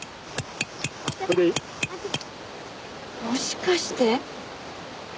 もしかして！